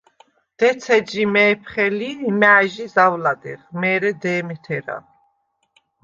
დეც ეჯჟი მე̄ფხე ლი, იმუ̂ა̄̈ჲჟი ზაუ̂ლადეღ, მე̄რე დე̄მე თერა.